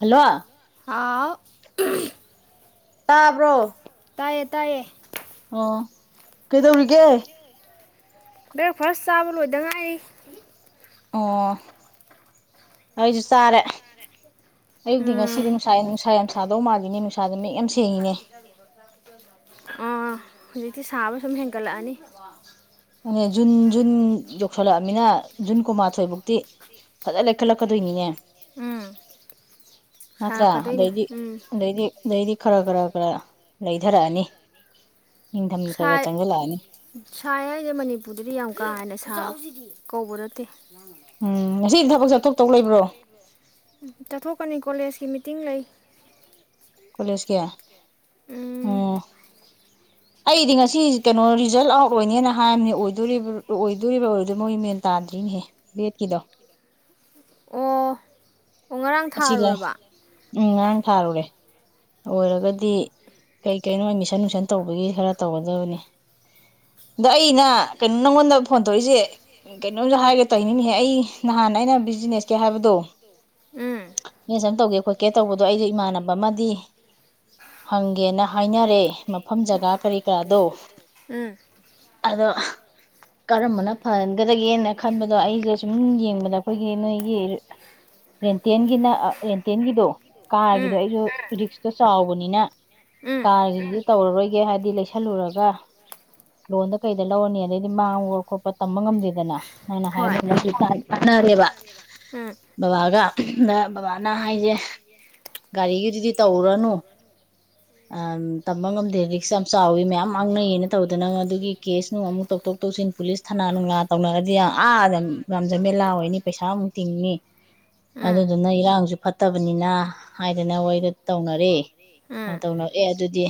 hello ꯍꯥꯎ ꯎꯍꯡ ꯇꯥꯕ꯭ꯔꯣ ꯇꯥꯢꯌꯦ ꯇꯥꯢꯌꯦ ꯑꯣ ꯀꯩꯗꯧꯔꯤꯒꯦ ꯕ꯭ꯔꯦꯛꯐꯥꯁ ꯆꯥꯕ ꯂꯣꯏꯗ ꯉꯥꯢꯔꯤ ꯑꯣ ꯑꯩꯁꯨ ꯆꯥꯔꯦ ꯑꯌꯨꯛꯗꯤ ꯉꯁꯤꯗꯤ ꯎꯝ ꯅꯨꯡꯁꯥ ꯅꯨꯡꯁꯥ ꯌꯥꯝ ꯁꯥꯗꯧ ꯃꯥꯜꯂꯤꯅꯦ ꯅꯨꯡꯁꯥꯖꯦ ꯃꯌꯦꯛ ꯌꯥꯝ ꯁꯦꯡ ꯎꯥ ꯍꯧꯖꯤꯛꯇꯤ ꯁꯥꯕ ꯁꯨꯝ ꯍꯦꯟꯒꯠꯂꯛꯑꯅꯤ ꯑꯅꯦ ꯖꯨꯟ ꯖꯨꯟ ꯌꯧꯁꯜꯂꯛꯑꯃꯤꯅ ꯖꯨꯟ ꯀꯨꯟꯃꯥꯊꯣꯏꯐꯧꯛꯇꯤ ꯐꯖꯅ ꯂꯩꯈꯠꯂꯛꯀꯗꯣꯏꯅꯤꯅꯦ ꯎꯝ ꯃꯥꯠꯇ꯭ꯔ ꯁꯥꯔꯛꯀꯗꯣꯏꯅꯦ ꯑꯗꯗꯤꯗꯤ ꯎꯝ ꯑꯗꯩꯗꯤ ꯈꯔ ꯈꯔ ꯈꯔ ꯂꯩꯊꯔꯛꯑꯅꯤ ꯏ ꯊꯝ ꯀꯒ ꯁꯥꯏ ꯆꯪꯒ ꯂꯑꯅꯤ ꯁꯥꯏ ꯃꯅꯤꯄꯨꯔꯗꯗꯤ ꯌꯥꯝꯎ ꯀꯥ ꯍꯦꯟꯅ ꯁꯥ ꯀꯧꯕ ꯅꯠꯇꯦ ꯋꯥꯃ ꯎꯝ [unintelligible] ꯆꯠꯊꯣꯛꯀꯅꯤ ꯀꯣꯂꯦꯖꯀꯤ ꯃꯤꯇꯤꯡ ꯂꯩ ꯀꯣꯂꯦꯖꯀꯤ ꯎꯝ ꯑꯣ ꯑꯩꯗꯤ ꯉꯁꯤ ꯀꯩꯅꯣ ꯔꯤꯖꯜꯠ ꯑꯥꯎꯠ ꯑꯣꯏꯅꯦꯅ ꯍꯥꯏꯕꯅꯦꯗꯣ ꯑꯣꯏꯗꯣꯔꯤꯕ ꯑꯣꯏꯔꯗꯣꯏ ꯃꯣꯏ ꯃꯦꯟ ꯇꯥꯗ꯭ꯔꯤꯅꯦꯍ ꯕꯦꯠꯀꯤꯗꯣ ꯑꯣ ꯑꯣ ꯉꯔꯥꯡ ꯑꯁꯤꯒ ꯊꯥꯔꯨꯔꯕ ꯎꯝ ꯉꯔꯥꯡ ꯊꯥꯔꯨꯔꯦ ꯑꯣꯏꯔꯒꯗꯤ ꯀꯩ ꯀꯩꯅꯣ ꯑꯦꯃꯤꯁꯟ ꯨꯏꯁꯟ ꯇꯧꯕꯒꯤ ꯈꯔ ꯇꯧꯒꯗꯕꯅꯤ ꯑꯗ ꯑꯩꯅ ꯀꯩꯅꯣ ꯅꯪꯉꯣꯟꯗ ꯐꯣꯟ ꯇꯧꯏꯁꯦ ꯀꯩꯅꯣꯝꯁꯨ ꯍꯥꯏꯒꯦ ꯇꯧꯅꯤꯍꯦ ꯑꯩ ꯅꯍꯥꯟ ꯑꯩꯅ ꯕꯤꯖꯤꯅꯦꯁꯀꯦ ꯍꯥꯏꯕꯗꯣ ꯎꯝ ꯅ ꯁꯝ ꯇꯧꯒꯦ ꯈꯣꯠꯀꯦ ꯇꯧꯕꯗꯣ ꯑꯩꯗꯣ ꯏꯃꯥꯟꯅꯕ ꯑꯃꯗꯤ ꯍꯪꯒꯦꯅ ꯍꯥꯏꯅꯔꯦ ꯃꯐꯝ ꯖꯒꯥ ꯀꯔꯤ ꯀꯔꯥꯗꯣ ꯎꯝ ꯑꯗꯣ ꯀꯔꯝꯕꯅ ꯐꯍꯟꯒꯗꯒꯦꯅ ꯈꯟꯕꯗꯣ ꯑꯩꯁꯦ ꯁꯨꯝ ꯌꯦꯡꯕꯗ ꯑꯩꯈꯣꯏꯒꯤ ꯅꯣꯏꯒꯤ ꯔꯦꯟꯇꯦꯟꯒꯤꯅ ꯔꯦꯟꯇꯦꯟꯒꯤꯗꯣ ꯎꯝ ꯀꯥꯔꯒꯤꯗꯣ ꯑꯩꯁꯨ ꯔꯤꯛꯁꯇꯣ ꯆꯥꯎꯕꯅꯤꯅ ꯎꯝ ꯀꯥꯔꯒꯤꯗꯤ ꯇꯧꯔꯔꯣꯏꯒꯦ ꯍꯥꯏꯕꯗꯤ ꯂꯩꯁꯜꯂꯨꯔꯒ ꯂꯣꯟꯗ ꯀꯩꯗ ꯂꯧꯔꯅꯤ ꯑꯗꯩꯗꯤ ꯃꯥꯡꯕ ꯈꯣꯠꯄ ꯇꯝꯕ ꯉꯝꯗꯦꯗꯅ ꯅꯪꯅ ꯍꯣꯏ ꯍꯥꯏꯕ ꯀꯥꯟꯅꯔꯦꯕ ꯎꯝ ꯕꯕꯥꯒ ꯗ ꯕꯥꯅ ꯍꯥꯏꯁꯦ ꯒꯥꯔꯤꯒꯤ ꯑꯗꯨꯗꯤ ꯇꯧꯔꯅꯨ ꯇꯝꯕ ꯉꯝꯗꯦ ꯔꯤꯛꯁ ꯌꯥꯝ ꯆꯥꯎꯋꯤ ꯃꯌꯥꯝ ꯃꯥꯡꯅꯩꯌꯦꯅ ꯇꯧꯗꯅ ꯑꯗꯨꯒꯤ ꯀꯦꯁ ꯅꯨꯡ ꯑꯃꯨꯛ ꯇꯧꯊꯣꯛ ꯇꯧꯁꯤꯟ ꯄꯨꯂꯤꯁ ꯊꯅꯥ ꯅꯨꯡꯂ ꯇꯧꯅꯔꯗꯤ ꯌꯥꯝ ꯑꯥꯗ ꯌꯥꯝꯖꯃꯦꯂꯥꯑꯣꯅꯤ ꯄꯩꯁꯥ ꯑꯃꯨꯛ ꯇꯤꯡꯉꯅꯤ ꯎꯝ ꯑꯗꯨꯗꯨꯅ ꯏꯔꯥꯡꯁꯨ ꯐꯠꯇꯕꯅꯤꯅ ꯍꯥꯏꯗꯅ ꯑꯩꯣꯏꯗ ꯇꯧꯅꯔꯤ ꯎꯝ ꯇꯧꯅ ꯑꯦ ꯑꯗꯨꯗꯤ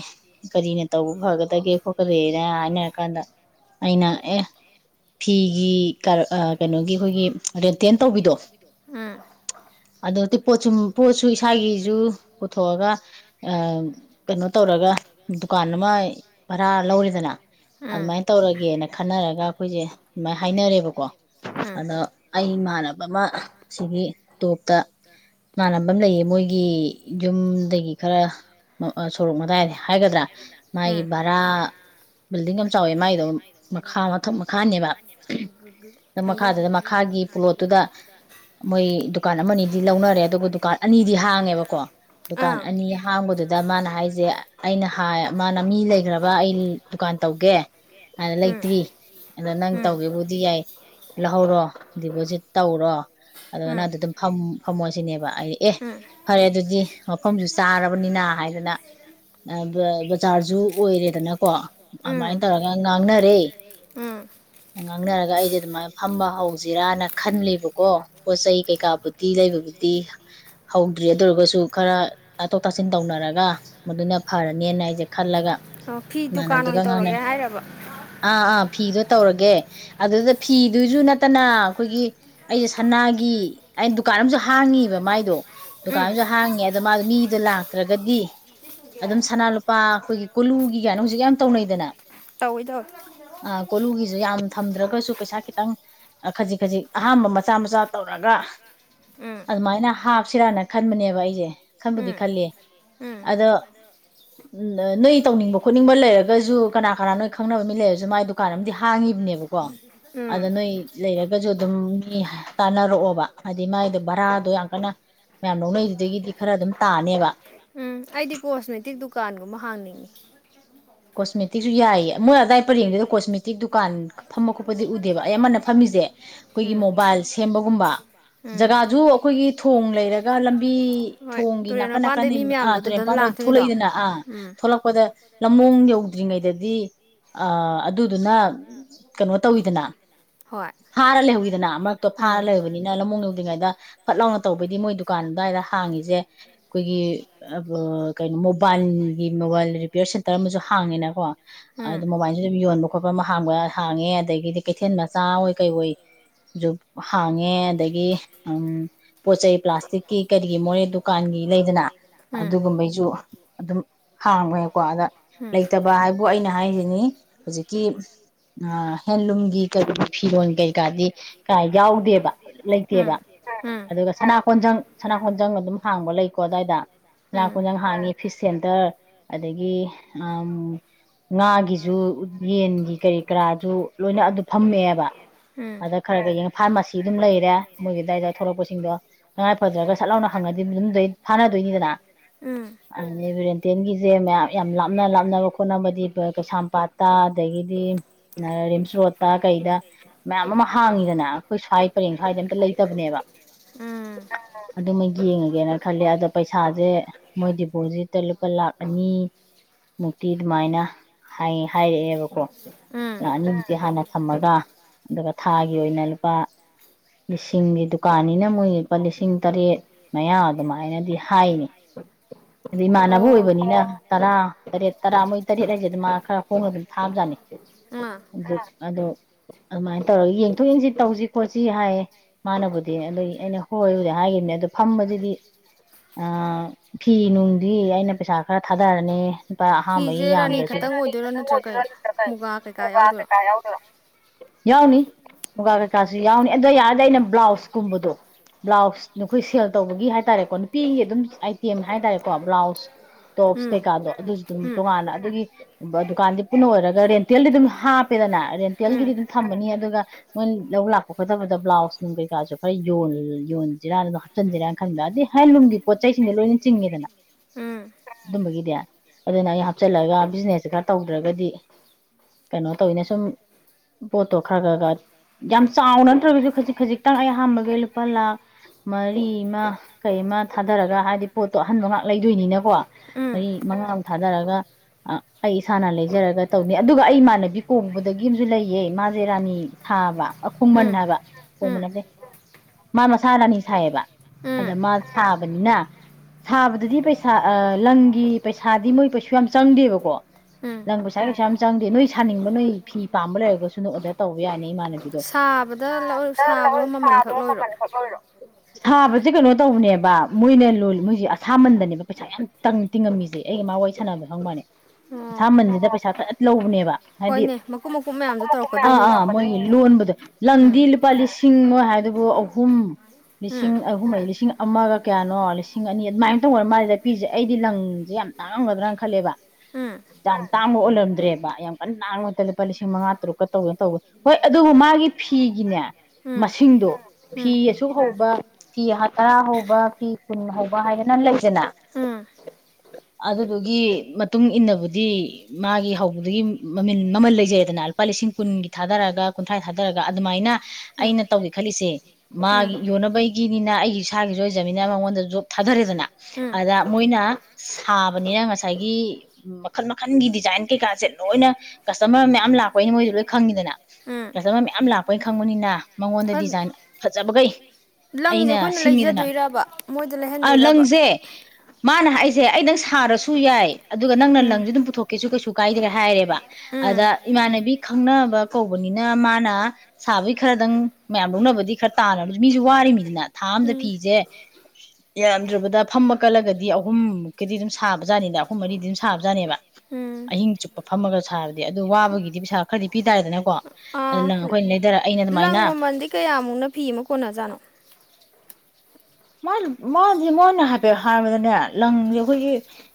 ꯀꯔꯤꯅ ꯇꯧ ꯐꯒꯠ ꯈꯒꯦ ꯈꯣꯠꯀꯗꯦꯅ ꯍꯥꯏꯅꯔ ꯀꯥꯟꯗ ꯑꯩꯅ ꯑꯦ ꯐꯤꯒꯤ ꯀꯩꯅꯣꯒꯤ ꯑꯩꯈꯣꯏꯒꯤ ꯔꯦꯟꯇꯦꯟ ꯇꯧꯕꯤꯗꯣ ꯎꯝ ꯑꯗꯨꯣ ꯄꯣꯠ ꯄꯣꯠꯁꯨ ꯃꯥꯒꯤꯖꯨ ꯄꯨꯊꯣꯛꯑꯒ ꯀꯩꯅꯣ ꯇꯧꯔꯒ ꯗꯨꯀꯥꯟ ꯑꯃ ꯈꯔ ꯂꯧꯔꯤꯗꯅ ꯎꯝ ꯑꯗꯨꯃꯥꯏꯅ ꯇꯧꯔꯒꯦꯅ ꯈꯟꯅꯔꯒ ꯑꯩꯈꯣꯏꯁꯦ ꯑꯗꯨꯃꯥꯏꯅ ꯍꯥꯏꯅꯔꯦꯕꯀꯣ ꯑꯗꯣ ꯑꯩ ꯏꯃꯥꯟꯅꯕ ꯑꯃ ꯁꯤꯒꯤ ꯇꯣꯞꯇ ꯏꯥꯟꯅꯕ ꯑꯃ ꯂꯩꯌꯦꯕ ꯃꯣꯏꯒꯤ ꯌꯨꯝꯗꯒꯤ ꯈꯔ ꯁꯣꯔꯣꯛ ꯃꯇꯥꯏ ꯍꯥꯏꯒꯗ꯭ꯔꯥ ꯎꯝ ꯃꯥꯒꯤ ꯚꯥꯔꯥ [unintelligible] ꯑꯗꯨ ꯆꯋ ꯑ ꯃꯈꯥ ꯃꯊꯛ ꯃꯈꯥꯅꯦꯕꯛ ꯎꯝ ꯃꯈꯥꯗꯨꯗ ꯃꯈꯥꯒꯤ ꯄꯣꯂꯣꯠꯇꯨꯗ ꯃꯣꯏ ꯗꯨꯀꯥꯟ ꯑꯃꯅꯤꯗꯤ ꯂꯧꯅꯔꯦ ꯑꯗꯨꯒ ꯗꯨꯀꯥꯟ ꯑꯅꯤꯗꯤ ꯍꯥꯡꯉꯦꯕꯀꯣ ꯗꯨꯀꯥꯟ ꯑꯥ ꯑꯅꯤ ꯍꯥꯡꯕꯗꯨꯗ ꯃꯥꯅ ꯍꯥꯏꯁꯦ ꯑꯩꯅ ꯃꯥꯅ ꯃꯤ ꯂꯩꯈ꯭ꯔꯕ ꯑꯩ ꯗꯨꯀꯥꯟ ꯇꯧꯒꯦ ꯎꯝ ꯠꯇ꯭ꯔꯤ ꯑꯗ ꯅꯪ ꯎꯝ ꯇꯧꯒꯦꯕꯨꯗꯤ ꯌꯥꯏ ꯂꯧꯍꯧꯔꯣ ꯗꯤꯄꯣꯖꯤꯠ ꯇꯧꯔꯣ ꯑꯗꯨꯅ ꯎꯝ ꯑꯗꯨ ꯑꯗꯨꯝ ꯐꯝꯃꯣꯁꯤꯅꯦꯕ ꯑꯩ ꯑꯦ ꯎꯝ ꯐꯔꯦ ꯑꯗꯨꯗꯤ ꯃꯐꯝꯁꯨ ꯆꯥꯔꯕꯅꯤꯅ ꯍꯥꯏꯗꯅ ꯕꯖꯥꯔꯁꯨ ꯑꯣꯏꯔꯦꯗꯅꯀꯣ ꯎꯝ ꯑꯗꯨꯃꯥꯏꯅ ꯇꯧꯔꯒ ꯉꯥꯡꯅꯔꯦ ꯎꯝ ꯉꯥꯡꯅꯔꯒ ꯑꯩꯗꯤ ꯑꯗꯨꯃꯥꯏꯅ ꯐꯝꯕ ꯍꯧꯁꯤꯔꯥꯅ ꯈꯟꯜꯂꯤꯕꯀꯣ ꯄꯣꯠ ꯆꯩ ꯀꯩꯀꯥꯕꯨꯗꯤ ꯂꯩꯕꯕꯨꯗꯤ ꯍꯧꯗ꯭ꯔꯤ ꯑꯗꯨ ꯑꯣꯏꯔꯒꯁꯨ ꯈꯔ ꯇꯥꯊꯣꯛ ꯇꯥꯁꯤꯟ ꯇꯧꯅꯔꯒ ꯃꯗꯨꯅ ꯐꯔꯅꯦꯅ ꯑꯩꯁꯦ ꯈꯜꯂꯒ ꯑꯣ ꯐꯤ ꯗꯨꯀꯥꯟ ꯏꯃꯥꯟꯅꯕꯗꯨꯒ ꯑꯣꯏꯅ ꯇꯧꯔꯒꯦ ꯉꯥꯡꯅꯔꯦ ꯍꯥꯏꯔꯕ ꯑꯥ ꯑꯥ ꯐꯤꯗꯣ ꯇꯧꯔꯒꯦ ꯑꯗꯨꯗ ꯐꯤꯗꯨꯁꯨ ꯅꯠꯇꯅ ꯑꯩꯈꯣꯏꯒꯤ ꯑꯩꯁꯦ ꯁꯅꯥꯒꯤ ꯑꯩꯅ ꯗꯨꯀꯥꯟ ꯑꯃꯁꯨ ꯍꯥꯡꯉꯤꯕ ꯃꯥꯏꯗꯣ ꯗꯨꯀꯥꯟ ꯎꯝ ꯑꯃꯁꯁꯨ ꯍꯥꯡꯉꯦ ꯑꯗꯣ ꯃꯥꯗꯣ ꯃꯤꯗꯣ ꯂꯥꯛꯇ꯭ꯔꯒꯗꯤ ꯑꯗꯨꯝ ꯁꯅꯥ ꯂꯨꯄꯥ ꯑꯩꯈꯣꯏꯒꯤ ꯀꯨꯂꯨꯒꯤ ꯀꯥꯏꯅꯣ ꯍꯧꯖꯤꯛ ꯌꯥꯝ ꯇꯧꯅꯩꯗꯅ ꯇꯧꯋꯤ ꯇꯧꯋꯤ ꯑ ꯀꯣꯂꯨꯒꯤꯁꯨ ꯌꯥꯝ ꯊꯝꯗ꯭ꯔꯒꯁꯨ ꯄꯩꯁꯥ ꯈꯤꯇꯪ ꯈꯖꯤꯛ ꯈꯖꯤꯛ ꯑꯍꯥꯝꯕ ꯃꯆꯥ ꯃꯆꯥ ꯇꯧꯔꯒ ꯎꯝ ꯑꯗꯨꯃꯥꯏꯅ ꯍꯥꯞ ꯁꯤꯔꯥꯟꯅ ꯈꯟꯕꯅꯦꯕ ꯑꯩꯁꯦ ꯈꯟꯕꯨꯗꯤ ꯎꯝ ꯈꯜꯜꯂꯤ ꯎꯝ ꯑꯗꯣ ꯅꯣꯏ ꯇꯧꯅꯤꯡꯕ ꯈꯣꯠꯅꯤꯡꯕ ꯂꯩꯔꯒꯁꯨ ꯀꯅꯥ ꯀꯅꯥ ꯅꯣꯏ ꯈꯪꯅꯕ ꯃꯤ ꯂꯩꯔꯁꯨ ꯃꯥꯏ ꯗꯨꯀꯥꯟ ꯑꯃꯗꯤ ꯍꯥꯡꯉꯤꯕꯅꯦꯕꯀꯣ ꯎꯝ ꯑꯗ ꯅꯣꯏ ꯂꯩꯔꯒꯁꯨ ꯑꯗꯨꯝ ꯃꯤ ꯇꯥꯟꯅꯔꯛꯑꯣꯕ ꯍꯥꯏꯗꯤ ꯃꯥꯏꯗꯣ ꯚꯔꯥꯗꯣ ꯌꯥꯝ ꯀꯟꯅ ꯃꯌꯥꯝ ꯂꯧꯅꯩꯗꯨꯗꯒꯤꯗꯤ ꯈꯔ ꯑꯗꯨꯝ ꯇꯥꯅꯦꯕ ꯝ ꯑꯩꯗꯤ ꯀꯣꯁꯃꯦꯇꯤꯛ ꯗꯨꯀꯥꯟꯒꯨꯝꯕ ꯍꯥꯡꯅꯤꯡꯉꯤ ꯀꯣꯁꯃꯦꯇꯤꯛꯁꯨ ꯌꯥꯏꯌꯦ ꯃꯣꯏ ꯑꯗꯥꯏ ꯄꯔꯦꯡꯗꯨꯗ ꯀꯣꯁꯃꯦꯇꯤꯛ ꯗꯨꯀꯥꯟ ꯐꯝꯕ ꯈꯣꯠꯄꯗꯤ ꯎꯗꯦꯕ ꯑꯩ ꯑꯃꯅ ꯐꯝꯃꯤꯁꯦ ꯑꯩꯈꯣꯏꯒꯤ ꯎꯝ ꯃꯣꯕꯥꯏꯜ ꯁꯦꯝꯕꯒꯨꯝꯕ ꯎꯝ ꯖꯒꯥꯁꯨ ꯑꯩꯈꯣꯏꯒꯤ ꯊꯣꯡ ꯂꯩꯔꯒ ꯂꯝꯕꯤ ꯍꯣꯏ ꯊꯣꯡꯒꯤ ꯇꯨꯔꯦꯜ ꯅꯥꯀꯟ ꯃꯄꯥꯟꯗꯩ ꯅꯥꯀꯟꯗ ꯃꯤ ꯃꯌꯥꯝꯗꯣ ꯑꯥ ꯑꯗꯨꯗ ꯇꯨꯔꯦꯟꯄꯥꯟ ꯑꯣꯏꯅ ꯂꯥꯛꯇꯣꯏꯅꯤꯗꯣ ꯊꯣꯛꯂꯛꯏꯗꯅ ꯑꯥ ꯎꯝ ꯊꯣꯛꯂꯛꯄꯗ ꯃꯑꯣꯡ ꯌꯧꯗ꯭ꯔꯤꯉꯩꯗꯗꯤ ꯑ ꯑꯗꯨꯗꯨꯅ ꯀꯩꯅꯣ ꯇꯧꯋꯤꯗꯅ ꯍꯣꯏ ꯐꯥꯔ ꯂꯩꯍꯧꯋꯤꯗꯅ ꯑꯃꯛꯇꯣ ꯐꯥꯔ ꯎꯝ ꯂꯩꯍꯧꯕꯕꯅꯤꯅ ꯂꯃꯣꯡ ꯌꯧꯗ꯭ꯔꯤꯉꯩꯗ ꯐꯠ ꯂꯥꯎꯅ ꯇꯧꯕꯩꯗꯤ ꯃꯣꯏ ꯗꯨꯀꯥꯟ ꯑꯗꯨꯋꯥꯏꯗ ꯍꯥꯡꯉꯤꯁꯦ ꯑꯩꯈꯣꯏꯒꯤ ꯑ ꯀꯩꯅ ꯕꯥꯜꯒꯤ ꯃꯣꯕꯥꯏꯜ ꯔꯤꯄꯤꯦꯌꯔꯁꯟ ꯍꯥꯡꯉꯦꯅꯣ ꯎꯝ ꯃꯣꯕꯥ ꯍꯟꯕ ꯈꯣꯠꯄ ꯑꯃ ꯍꯥꯡꯕ ꯍꯥꯡꯉꯦ ꯑꯗꯒꯤꯗꯤ ꯀꯩꯊꯦꯜ ꯃꯆꯥ ꯍꯣꯏ ꯀꯩ ꯍꯁꯨ ꯍꯥꯡꯉꯦ ꯑꯗꯒꯤ ꯎꯝ ꯄꯣꯠ ꯆꯩ ꯄ꯭ꯂꯥꯁꯇꯤꯛꯀꯤ ꯀꯔꯤꯒꯤ ꯃꯣꯔꯦ ꯗꯨꯀꯥꯟꯒꯤ ꯂꯩꯗꯅ ꯎꯝ ꯑꯗꯨꯒꯨꯝꯕꯩꯁꯨ ꯑꯗꯨꯝ ꯍꯥꯡꯉꯦꯀꯣ ꯑꯗ ꯎꯝ ꯂꯩꯇꯕ ꯍꯥꯏꯕꯨ ꯑꯩꯅ ꯍꯥꯏꯁꯤꯅꯤ ꯍꯧꯖꯤꯛꯀꯤ ꯍꯦꯟꯂꯨꯝꯒꯤ ꯀ ꯐꯤꯔꯣꯜ ꯀꯩꯀꯥꯗꯤ ꯀꯌꯥ ꯌꯥꯎꯗꯦꯕ ꯎꯝ ꯂꯩꯇꯦꯕ ꯎꯝ ꯑꯗꯨꯒꯥꯏ ꯈꯣꯟꯖꯪ ꯁꯅꯥ ꯈꯣꯟꯖꯪ ꯑꯗꯨꯝ ꯍꯥꯡꯕ ꯂꯩꯀꯣ ꯑꯗꯨꯋꯥꯏꯗ ꯁꯅꯥ ꯎꯝ ꯈꯣꯟꯖꯪ ꯍꯥꯡꯉꯤ ꯐꯤꯁ ꯁꯦꯟꯇꯔ ꯑꯗꯒꯤ ꯎ ꯉꯥꯒꯤꯁꯨ ꯌꯦꯟꯒꯤ ꯀꯔꯤ ꯀꯔꯥꯗꯨ ꯂꯣꯏꯅ ꯑꯗꯨ ꯐꯝꯃꯛꯑꯦꯕ ꯑꯗ ꯈꯔ ꯀꯩꯡ ꯐꯥꯔꯃꯥꯁꯤ ꯑꯗꯨꯝ ꯂꯩꯔꯦ ꯃꯣꯏꯒꯤ ꯑꯗꯨꯗꯥꯋꯥꯏꯗ ꯊꯂꯛꯄꯁꯤꯡꯗꯣ ꯇꯉꯥꯏ ꯐꯗ꯭ꯔꯒ ꯆꯠ ꯂꯥꯎꯅ ꯍꯪꯉꯗꯤ ꯑꯗꯨꯨꯝꯗꯣꯏ ꯐꯥꯅꯗꯣꯏꯅꯤꯗꯅ ꯎꯝ ꯑꯗꯨꯗꯒꯤꯩ ꯔꯦꯟꯇꯦꯟꯒꯤꯁꯦ ꯃꯌꯥꯝ ꯌꯥꯝ ꯂꯥꯛ ꯌꯥꯝꯅ ꯂꯥꯞꯅꯕ ꯈꯣꯠꯅꯕꯗꯤ ꯀꯩꯁꯥꯝꯄꯥꯠꯇ ꯑꯗꯒꯤꯗꯤ ꯔꯤꯝꯁ ꯔꯣꯗꯠꯇ ꯀꯩꯗ ꯃꯌꯥꯝ ꯑꯃ ꯍꯥꯡꯉꯤꯗꯅ ꯑꯩꯈꯣꯏ ꯁ꯭ꯋꯥꯏ ꯄꯔꯦꯡ ꯁ꯭ꯋꯥꯏꯗ ꯑꯝꯇ ꯂꯩꯇꯕꯅꯦꯕ ꯎꯝ ꯎꯝ ꯑꯗꯨꯃ ꯌꯦꯡꯉꯒꯦꯅ ꯈꯂꯦ ꯑꯗ ꯄꯩꯁꯥꯁꯦ ꯃꯣꯏ ꯗꯤꯄꯣꯖꯤꯠꯇ ꯂꯨꯄꯥ ꯂꯥꯛ ꯑꯅꯤ ꯃꯨꯛꯇꯤ ꯑꯗꯨꯃꯥꯏꯅ ꯍꯥꯏꯔꯛꯑꯦꯕꯀꯣ ꯎꯝ ꯂꯥꯛ ꯑꯅꯤꯃꯨꯛꯇꯤ ꯍꯥꯟꯅ ꯊꯝꯃꯒ ꯑꯗꯨꯒ ꯊꯥꯒꯤ ꯑꯣꯏꯅ ꯂꯨꯄꯥ ꯂꯤꯁꯤꯡꯒꯤ ꯗꯨꯀꯥꯟꯅꯤ ꯑꯩꯅ ꯃꯣꯏ ꯂꯨꯄꯥ ꯂꯤꯁꯤꯡ ꯇꯔꯦꯠ ꯃꯌꯥ ꯑꯗꯨꯃꯥꯏꯅꯗꯤ ꯍꯥꯏꯅꯤ ꯑꯗꯨ ꯏꯃꯥꯟꯅꯕ ꯑꯣ ꯑꯣꯏꯕꯅꯤꯅ ꯇꯔꯥ ꯇꯔꯦꯠ ꯇꯔꯥ ꯃꯣꯏ ꯇꯔꯦꯠ ꯍꯥꯏꯁꯦ ꯑꯗꯨ ꯃꯥ ꯈꯔ ꯍꯣꯡꯅ ꯑꯗꯨꯝ ꯊꯥꯕꯖꯥꯠꯅꯤ ꯑꯥ ꯑꯗꯨ ꯑꯗꯣ ꯃꯥꯏ ꯇꯧꯔꯒ ꯌꯦꯡꯊꯣꯛ ꯌꯦꯡꯁꯤꯟ ꯇꯧꯁꯤ ꯈꯣꯠꯁꯤ ꯍꯥꯏ ꯃꯥꯅꯕꯨꯗꯤ ꯑꯗꯨꯒꯤ ꯑꯩꯅ ꯍꯣꯏꯕꯨꯗꯤ ꯍꯥꯏꯒꯤꯕꯅꯦ ꯑꯗꯣ ꯐꯝꯕꯁꯤꯗꯤ ꯐꯤ ꯅꯨꯡ ꯑꯩꯅ ꯄꯩꯁꯥ ꯈꯔ ꯊꯥꯗꯔꯦ ꯐꯤꯁꯦ ꯔꯥꯅꯤ ꯈꯛꯇꯪ ꯑꯣꯏꯗꯣꯏꯔꯣ ꯈꯤꯇꯪ ꯅꯠꯇ꯭ꯔ ꯑꯣꯏꯗꯣꯏꯔꯥ ꯀꯩꯅꯣ ꯅꯠꯇ꯭ꯔꯒ ꯃꯨꯒꯥ ꯀꯩꯀꯥ ꯌꯥꯎꯗꯣꯏꯔꯣ ꯌꯥꯎꯅꯤ ꯃꯨꯒꯥ ꯀꯩꯀꯥꯁꯨ ꯌꯥꯎꯅꯤ ꯑꯗꯣ ꯌꯥꯔꯗꯤ ꯑꯩꯅ ꯕ꯭ꯂꯥꯎꯁ ꯀꯨꯝꯕꯗꯣ ꯕ꯭ꯂꯥꯎꯁ ꯑꯈꯣꯏ ꯁꯦꯜ ꯇꯧꯕꯒꯤ ꯍꯥꯏꯇꯥꯔꯦꯀꯣ ꯅꯨꯄꯤꯒꯤ ꯑꯗꯨꯝ ꯁꯦꯜꯇꯧꯕꯒꯤ ꯍꯥꯏꯇꯥꯔꯦꯀꯣ ꯕ꯭ꯂꯥꯎꯁ ꯇꯣꯞꯁ ꯎꯝ ꯀꯩꯀꯥꯗꯣ ꯎꯝ ꯇꯣꯉꯥꯟꯅ ꯑꯗꯨꯒꯤ ꯕ ꯗꯨꯀꯥꯟꯗꯤ ꯄꯨꯟꯅ ꯑꯣꯏꯔꯒ ꯔꯦꯟꯇꯦꯜꯗꯤ ꯑꯗꯨꯝ ꯍꯥꯞꯄꯦꯗꯅ ꯎꯝ ꯔꯦꯟꯇꯦꯜꯒꯤꯗꯥꯗꯨ ꯊꯝꯃꯅꯤ ꯑꯗꯨꯒ ꯃꯣꯏ ꯂꯧ ꯂꯥꯛꯄ ꯈꯣꯠꯇꯕꯗ ꯕ꯭ꯂꯥꯎꯁ ꯅꯨꯡ ꯀꯩꯀꯥꯁꯨ ꯈꯔ ꯌꯣꯟ ꯌꯣꯟꯁꯤꯔꯥꯅ ꯑꯗꯨꯝ ꯍꯥꯞꯆꯤꯟꯁꯤꯔꯥꯅ ꯈꯟꯕ ꯑꯗꯩ ꯍꯦꯟꯂꯨꯝꯒꯤ ꯄꯣꯠ ꯆꯩꯁꯤꯡꯗ ꯂꯣꯏꯅ ꯆꯤꯡꯉꯤꯗꯅ ꯎꯝ ꯑꯗꯨꯝꯕꯒꯤꯗꯤꯌꯥ ꯑꯗꯨꯅ ꯑꯩ ꯍꯥꯞꯆꯜꯂꯒ ꯕꯤꯖꯤꯅꯦꯁ ꯈꯔ ꯇꯧꯗ꯭ꯔꯒꯗꯤ ꯀꯩꯅꯣ ꯇꯧꯅ ꯁꯨꯝ ꯄꯣꯠꯇꯣ ꯈꯔ ꯈꯔ ꯈꯔ ꯌꯥꯝ ꯆꯥꯎꯅ ꯅꯠꯇ꯭ꯔꯒꯁꯨ ꯈꯖꯤꯛ ꯈꯖꯤꯛꯇꯪ ꯑꯩ ꯑꯍꯥꯟꯕꯒꯤ ꯂꯨꯄꯥ ꯂꯥꯛ ꯃꯔꯤ ꯑꯃ ꯀꯩ ꯑꯃ ꯊꯥꯗꯔꯒ ꯍꯥꯏꯗꯤ ꯄꯣꯠꯇꯣ ꯑꯍꯟꯕ ꯉꯥꯛ ꯂꯩꯗꯣꯏꯅꯤꯅꯀꯣ ꯎꯝ ꯍꯥꯏ ꯃꯉꯥꯃꯨꯛ ꯊꯥꯗꯔꯒ ꯑꯩ ꯏꯁꯥꯅ ꯂꯩꯖꯔꯒ ꯇꯧꯅꯤ ꯑꯗꯨꯒ ꯑꯩ ꯏꯃꯥꯟꯅꯕꯤ ꯀꯣꯡꯕꯗꯒꯤ ꯑꯃꯁꯨ ꯂꯩꯌꯦ ꯃꯥꯁꯦ ꯔꯥꯅꯤ ꯁꯥꯕ ꯈꯣꯡꯃꯟ ꯎꯝ ꯍꯥꯏꯕ ꯀꯣꯡꯕ ꯎꯝ ꯅꯠꯇꯦ ꯃꯥ ꯃꯁꯥ ꯔꯥꯅꯤ ꯁꯥꯏꯌꯦꯕ ꯎꯝ ꯑꯗ ꯃꯥ ꯁꯥꯕꯅꯤꯅ ꯁꯥꯕꯗꯨꯗꯤ ꯄꯩꯁꯥ ꯂꯪꯒꯤ ꯄꯩꯁꯥꯗꯤ ꯃꯣꯏ ꯀꯩꯁꯨ ꯌꯥꯝ ꯆꯪꯗꯦꯕꯀꯣ ꯎꯝ ꯂꯪ ꯄꯩꯁꯥ ꯀꯩꯁꯨ ꯌꯥꯝ ꯆꯪꯗꯦ ꯅꯣꯏ ꯁꯥꯅꯤꯡꯕ ꯅꯣꯏ ꯐꯤ ꯄꯥꯝꯕ ꯂꯩꯔꯒꯁꯨ ꯅꯣꯏ ꯑꯣꯗꯔ ꯇꯧꯕ ꯌꯥꯏꯅꯤ ꯏꯃꯥꯟꯅꯕꯤ ꯁꯥꯕꯗ ꯁꯥꯕ [unintelligible] ꯃꯃꯜ ꯃꯃꯜꯈꯛ ꯂꯣꯏꯔꯣ ꯈꯛ ꯑꯣꯏꯔꯣ ꯁꯥꯕꯁꯦ ꯀꯩꯅꯣ ꯇꯧꯕꯅꯦꯕ ꯃꯣꯏꯅ ꯃꯣꯏꯁꯦ ꯑꯁꯥꯃꯟꯗꯅꯦꯕ ꯄꯩꯁꯥ ꯌꯥꯝ ꯇꯪ ꯇꯤꯡꯉꯝꯃꯤꯁꯦ ꯑꯩꯒꯤ ꯃꯥ ꯋꯥꯔꯤ ꯁꯥꯟꯅꯕꯗ ꯈꯪꯕ ꯋꯥꯅꯦ ꯑꯣ ꯑꯁꯥꯃꯟꯁꯤꯗ ꯄꯩꯁꯥ ꯐꯖ ꯂꯧꯕꯅꯦꯕ ꯍꯥꯏꯗꯤ ꯍꯣꯏꯅꯦ ꯃꯀꯨꯞ ꯃꯀꯨꯞ ꯃꯌꯥꯝꯗꯣ ꯑꯥ ꯇꯧꯔꯛꯀꯗꯣꯏꯅꯤꯅꯦ ꯑꯥ ꯃꯣꯏ ꯂꯣꯟꯕꯗꯣ ꯎꯝ ꯂꯪꯗꯤ ꯂꯨꯄꯥ ꯂꯤ ꯂꯤꯁꯤꯡ ꯃꯣꯏ ꯍꯥꯏꯗꯨꯕꯨ ꯑꯍꯨꯝ ꯎꯝ ꯂꯤꯁꯤꯡ ꯑꯍꯨꯝ ꯂꯤꯁꯤꯡ ꯑꯃꯒ ꯀꯌꯥꯅꯣ ꯂꯤꯁꯤꯡ ꯑꯅꯤ ꯑꯗꯨꯃꯥꯏꯇꯪ ꯑꯣꯏ ꯃꯥꯜꯂꯦꯗ ꯄꯤꯔꯤꯁꯦ ꯑꯩꯗꯤ ꯂꯪ ꯁꯤ ꯌꯥꯝ ꯇꯥꯡꯉꯝꯒꯗ꯭ꯔꯅ ꯈꯜꯂꯦꯕ ꯎꯝ ꯌꯥꯝ ꯇꯥꯡꯕ ꯑꯣꯏꯜꯂꯝꯗ꯭ꯔꯦꯕ ꯌꯥꯝ ꯀꯟꯅ ꯇꯥꯡꯕ ꯃꯇꯝ ꯂꯨꯄꯥ ꯂꯤꯁꯤꯡ ꯃꯉꯥ ꯇꯔꯨꯛꯀ ꯇꯧꯗꯅ ꯇꯧꯕꯗꯣ ꯍꯣꯏ ꯑꯗꯨꯕꯨ ꯃꯥꯒꯤ ꯐꯤꯒꯤꯅꯦ ꯎꯝ ꯃꯁꯤꯡꯗꯣ ꯎꯝ ꯐꯤ ꯑꯁꯨꯛ ꯍꯧꯕ ꯐꯤ ꯇꯔꯥ ꯍꯧꯕ ꯐꯤ ꯀꯨꯟ ꯍꯧꯕ ꯍꯥꯏꯗꯅ ꯂꯩꯗꯅ ꯎꯝ ꯑꯗꯨꯗꯨꯒꯤ ꯃꯇꯨꯡ ꯏꯟꯅꯕꯨꯗꯤ ꯃꯥꯒꯤ ꯍꯧꯕꯗꯨꯒꯤ ꯃꯃꯜ ꯃꯃꯜ ꯂꯩꯖꯩꯗꯅ ꯂꯨꯄꯥ ꯂꯤꯁꯤꯡ ꯀꯨꯟꯒꯤ ꯊꯥꯗꯔꯒ ꯀꯨꯟꯊ꯭ꯔꯥ ꯊꯥꯗꯔꯒ ꯑꯗꯨꯃꯥꯏꯅ ꯑꯩꯅ ꯇꯧꯒꯦ ꯈꯜꯂꯤꯁꯦ ꯃꯥꯒꯤ ꯌꯣꯟꯅꯕꯩꯒꯤꯅꯤꯅ ꯑꯩꯒꯤ ꯏꯁꯥꯒꯤꯁꯨ ꯑꯣꯏꯖꯅꯤꯅ ꯃꯉꯣꯟꯗ ꯖꯣꯕ ꯊꯥꯗꯔꯦꯗꯅ ꯎꯝ ꯎꯝ ꯎꯝ ꯑꯗ ꯃꯣꯏꯅ ꯁꯥꯕꯅꯤꯅ ꯉꯁꯥꯏꯒꯤ ꯃꯈꯜ ꯃꯈꯜꯒꯤ ꯗꯤꯖꯥꯏꯟ ꯀꯩꯀꯥꯁꯦ ꯂꯣꯏꯅ ꯀꯁꯇꯃꯔ ꯃꯌꯥꯝ ꯂꯥꯛꯄꯅꯤꯅ ꯃꯣꯏꯗꯤ ꯂꯣꯏ ꯈꯪꯉꯤꯗꯅ ꯎꯝ ꯀꯁꯇꯃꯔ ꯃꯌꯥꯝ ꯂꯥꯛꯄꯅ ꯈꯪꯕꯅꯤꯅ ꯃꯉꯣꯟꯗ ꯗꯤꯖꯥꯏꯟ ꯐꯖꯕꯒꯩ ꯂꯪꯁꯦ ꯑꯈꯣꯏꯅ ꯂꯩꯖꯗꯣꯏꯔꯕ ꯃꯣꯏꯗ ꯑ ꯂꯩꯍꯟꯗꯣꯏꯔꯕ ꯂꯪꯁꯦ ꯃꯥꯅ ꯍꯥꯏ ꯑꯩꯗꯪ ꯁꯥꯔꯁꯨ ꯌꯥꯏ ꯑꯗꯨꯒ ꯅꯪꯅ ꯎꯝ ꯂꯪꯁꯨ ꯑꯗꯨꯝ ꯄꯨꯊꯣꯛꯀꯦꯁꯨ ꯀꯩꯁꯨ ꯀꯥꯏꯗꯦ ꯍꯥꯏꯔꯦꯕ ꯎꯝ ꯑꯗ ꯏꯃꯥꯅꯕꯤ ꯈꯪꯅꯕ ꯀꯧꯕꯅꯤꯅ ꯃꯥꯅ ꯁꯥꯕꯒꯤ ꯈꯔꯗꯪ ꯃꯌꯥꯝ ꯂꯧꯅꯕꯗꯤ ꯈꯔ ꯇꯥꯅꯕ ꯃꯤꯁꯨ ꯋꯥꯔꯤꯃꯤꯗꯅ ꯊꯥ ꯑꯝꯗ ꯎꯝ ꯐꯤꯁꯦ ꯌꯥꯝ ꯗ꯭ꯔꯕꯗ ꯐꯝꯃ ꯀꯠꯂꯒꯗꯤ ꯑꯍꯨꯝ ꯀꯗꯤ ꯑꯗꯨꯝ ꯁꯥꯕꯖꯥꯠꯅꯤꯗ ꯑꯈꯨꯝ ꯃꯔꯤꯗꯤ ꯑꯗꯨꯝ ꯁꯥꯕꯖꯥꯠꯅꯦꯕ ꯎꯝ ꯑꯍꯤꯡ ꯆꯨꯞꯄ ꯐꯝꯃꯒ ꯁꯥꯕꯗꯤ ꯑꯗꯨ ꯋꯥꯕꯒꯤꯗꯤ ꯄꯩꯁꯥ ꯈꯔꯗꯤ ꯄꯤ ꯇꯔꯦꯗꯅꯀꯣ ꯑꯗ ꯑꯥ ꯅꯪ ꯑꯩꯈꯣꯏꯅ ꯂꯩꯗꯔ ꯑꯩꯅ ꯑꯗꯨꯃꯥꯏꯅ ꯂꯪ ꯃꯃꯜꯗꯤ ꯀꯌꯥꯃꯨꯛꯅ ꯐꯤ ꯑꯃ ꯀꯣꯟꯅꯖꯥꯠꯅꯣ ꯃꯥꯗꯤ ꯃꯣꯏꯅ ꯍꯥꯏꯐꯦꯠ ꯍꯥꯏꯕꯗꯅꯦ ꯂꯪꯁꯦ ꯑꯩꯈꯣꯏꯒꯤ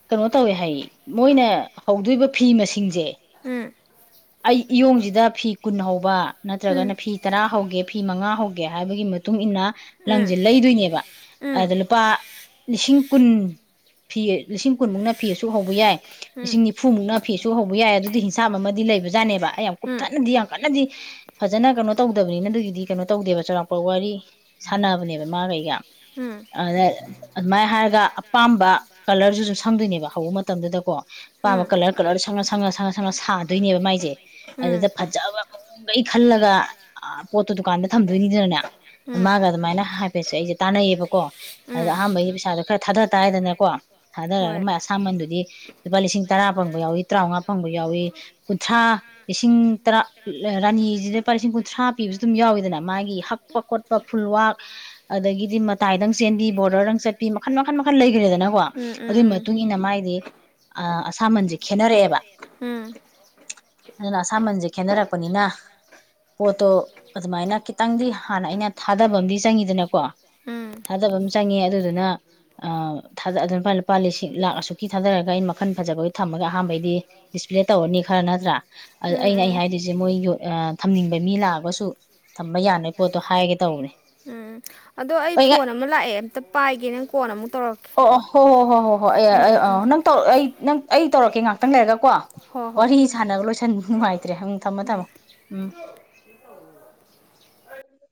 ꯀꯩꯅꯣ ꯇꯧꯋꯦ ꯍꯥꯏ ꯃꯣꯏꯅ ꯍꯧꯗꯣꯏꯔꯤꯕ ꯐꯤ ꯃꯁꯤꯡꯁꯦ ꯎꯝ ꯑꯩ ꯏꯌꯣꯡꯁꯤꯗ ꯐꯤ ꯀꯨꯟ ꯍꯧꯕ ꯎꯝ ꯅꯠꯇ꯭ꯔꯒꯅ ꯐꯤ ꯇꯔꯥ ꯍꯧꯒꯦ ꯐꯤ ꯃꯉꯥ ꯍꯧꯒꯦ ꯍꯥꯏꯕꯒꯤ ꯃꯇꯨꯡ ꯃꯇꯨꯡꯏꯟꯅ ꯎꯝ ꯂꯪꯁꯦ ꯂꯩꯗꯣꯏꯅꯦꯕ ꯑꯗ ꯎꯝ ꯂꯨꯄꯥ ꯂꯤꯁꯤꯡ ꯀꯨꯟ ꯐꯤ ꯂꯤꯁꯤꯡ ꯀꯨꯟꯃꯨꯛꯅ ꯐꯤꯁꯨ ꯍꯧꯕ ꯌꯥꯏ ꯎꯝ ꯂꯤꯁꯤꯡ ꯅꯤꯐꯨꯃꯨꯛꯅ ꯐꯤꯁꯨ ꯍꯧꯕ ꯌꯥꯏ ꯑꯗꯨꯗꯤ ꯏꯁꯥ ꯑꯃꯗꯤ ꯂꯩꯕꯖꯥꯅꯦꯕ ꯑꯩ ꯌꯥꯝ ꯀꯨꯞꯊꯠꯅꯗꯤ ꯎꯝ ꯌꯥꯝ ꯀꯅꯗꯤ ꯐꯖꯅ ꯀꯩꯅꯣ ꯇꯧꯗꯕꯅꯤꯅ ꯑꯗꯨꯒꯤꯗꯤ ꯀꯩꯅꯣ ꯇꯧꯗꯦꯕ ꯆꯥꯎꯔꯥꯛꯄ ꯋꯥꯔꯤ ꯁꯥꯟꯅꯕꯅꯦꯕ ꯃꯥ ꯀꯩꯒ ꯑꯗ ꯑꯗꯨꯃꯥꯏꯅ ꯍꯥꯏꯔꯒ ꯑꯄꯥꯝꯕ ꯀꯂꯔꯗꯨꯁꯨ ꯁꯪꯗꯣꯏꯅꯦꯕ ꯍꯧꯕ ꯃꯇꯝꯗꯨꯗꯀꯣ ꯑꯄꯥꯝꯕ ꯎꯝ ꯀꯂꯔ ꯀꯂꯔ ꯁꯪꯉ ꯁꯪꯉ ꯁꯪꯉ ꯁꯪꯉ ꯁꯥꯗꯣꯏꯅꯦꯕ ꯃꯥꯏꯁꯦ ꯎꯝ ꯎꯝ ꯑꯗꯨꯗ ꯐꯖꯕ ꯃꯑꯣꯡꯈꯩ ꯈꯜꯂꯒ ꯄꯣꯠꯇꯣ ꯗꯨꯀꯥꯟꯗ ꯊꯝꯗꯣꯏꯅꯤꯗꯅꯅꯦ ꯎꯝ ꯃꯥꯒ ꯑꯗꯨꯃꯥꯏꯅ ꯍꯥꯏꯐꯦꯠꯁꯦ ꯑꯩꯁꯦ ꯇꯥꯟꯅꯩꯌꯦꯕꯀꯣ ꯑꯗꯣ ꯎꯝ ꯑꯍꯥꯟꯕꯒꯤ ꯄꯩꯁꯥꯗꯣ ꯈꯔ ꯊꯥꯗ ꯇꯥꯏꯗꯅꯀꯣ ꯊꯥꯗꯔꯒ ꯍꯣꯏ ꯃꯥꯏ ꯑꯁꯥꯝꯕꯟꯗꯨꯗꯤ ꯂꯨꯄꯥ ꯂꯤꯁꯤꯡ ꯇꯔꯥ ꯐꯪꯕ ꯌꯥꯎꯏ ꯇꯔꯥꯃꯉꯥ ꯐꯪꯕ ꯌꯥꯎꯏ ꯀꯨꯟꯊ꯭ꯔꯥ ꯂꯤꯁꯤꯡ ꯇꯔꯥ ꯔꯥꯅꯤꯁꯤꯗ ꯂꯨꯄꯥ ꯂꯤꯁꯤꯡ ꯀꯨꯟꯊ꯭ꯔꯥ ꯄꯤꯕꯁꯨ ꯑꯗꯨꯝ ꯌꯥꯎꯋꯤꯗꯅ ꯃꯥꯒꯤ ꯍꯛꯄ ꯈꯣꯠꯄ ꯐꯨꯜꯋꯥꯛ ꯑꯗꯒꯤ ꯍꯥꯏꯗꯤ ꯃꯇꯥꯏꯗꯪ ꯆꯦꯟꯕꯤ ꯕꯣꯔꯗꯔꯗꯪ ꯆꯠꯄꯤ ꯃꯈꯟ ꯃꯈꯜ ꯃꯈꯟ ꯂꯩꯈ꯭ꯔꯦꯗꯅꯀꯣ ꯎꯝ ꯎꯝ ꯎꯝ ꯑꯗꯨꯒꯤ ꯎꯝ ꯃꯇꯨꯡ ꯏꯟꯅ ꯃꯥꯥꯏꯗꯤ ꯑꯁꯥꯃꯟꯁꯦ ꯈꯦꯠꯅꯔꯛꯑꯦꯕ ꯎꯝ ꯑꯗꯨꯅ ꯑꯁꯥꯃꯟꯁꯦ ꯈꯦꯅꯔꯛꯄꯅꯤꯅ ꯄꯣꯠꯇꯣ ꯑꯗꯨꯃꯥꯏꯅ ꯈꯤꯇꯪꯗꯤ ꯍꯥꯟꯅ ꯑꯩꯅ ꯊꯥꯗꯕ ꯑꯃꯗꯤꯝ ꯆꯪꯉꯤꯗꯅꯀꯣ ꯎꯝ ꯎꯝ ꯊꯥꯗꯕ ꯑꯃ ꯆꯪꯉꯦ ꯑꯗꯨꯗꯨꯅꯥꯗ ꯑꯗꯨ ꯂꯨꯄꯥ ꯂꯨꯄꯥ ꯂꯤꯁꯤꯡ ꯂꯥꯛ ꯑꯁꯨꯛꯀꯤ ꯊꯥꯗꯔꯒ ꯑꯩꯅ ꯃꯈꯟ ꯐꯖꯕꯒꯤ ꯊꯝꯃꯒ ꯑꯍꯥꯟꯕꯩꯗꯤ ꯗꯤꯁꯄ꯭ꯂꯦ ꯇꯧꯔꯅꯤ ꯈꯔ ꯅꯠꯇ꯭ꯔꯥ ꯑꯩꯅ ꯑꯩ ꯎꯝ ꯍꯥꯏꯗꯣꯏꯁꯦ ꯃꯣꯏ ꯊꯝꯅꯤꯡꯕ ꯃꯤ ꯂꯥꯛꯑꯒꯁꯨ ꯊꯝꯕ ꯌꯥꯅꯕꯣꯏ ꯄꯣꯠꯇꯣ ꯍꯥꯏꯒꯦ ꯇꯧꯕꯅꯦ ꯎꯝ ꯑꯗꯣ ꯑꯩ ꯐꯣꯟ ꯑꯃ ꯂꯥꯛꯑꯦ ꯑꯝꯇ ꯄꯥꯏꯒꯦ ꯅꯪ ꯀꯣꯟꯜ ꯑꯃꯨꯛ ꯇꯧꯔꯛꯀꯦ ꯑꯣ ꯑꯣ ꯍꯣ ꯍꯣ ꯍꯣꯏ ꯍꯣꯏ ꯍꯣꯏ ꯎꯝ ꯑꯩ ꯎꯝ ꯑ ꯎꯝ ꯅꯪ ꯑꯩ ꯅꯪ ꯑꯩ ꯇꯧꯔꯛꯀꯦ ꯉꯥꯛꯇꯪ ꯂꯩꯔꯒ ꯀꯣ ꯍꯣꯏ ꯍꯣꯏ ꯋꯥꯔꯤ ꯎꯝ ꯁꯥꯟꯅꯕ ꯂꯣꯏꯁꯟ ꯅꯨꯡꯉꯥꯏꯇ꯭ꯔꯦ ꯊꯝꯃꯣ ꯊꯝꯃꯣ ꯎꯝ